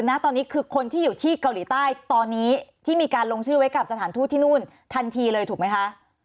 ณตอนนี้คือคนที่อยู่ที่เกาหลีใต้ตอนนี้ที่มีการลงชื่อไว้กับสถานทูตที่นู่นทันทีเลยถูกไหมคะ